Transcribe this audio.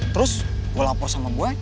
terus gue lapor sama gue